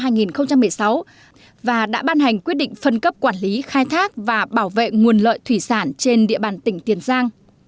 năm hai nghìn một mươi sáu và đã ban hành quyết định phân cấp quản lý khai thác và bảo vệ nguồn lợi thủy sản trên địa bàn tỉnh tiền giang